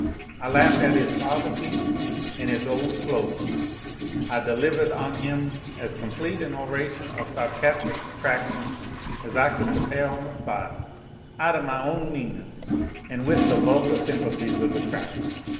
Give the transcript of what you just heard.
I laughed at 'is povahty an' 'is ole clo'es. I delivahed on 'im as complete an oration of sarcastic detraction as I could prepare on the spot, out of my own meanness an' with the vulgah sympathies of the crowd.